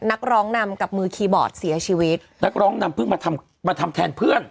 นักร้องนำกับมือคีย์บอร์ดเสียชีวิตนักร้องนำเพิ่งมาทำมาทำแทนเพื่อน